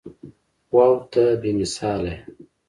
واو ته بې مثاله يې.